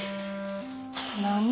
何？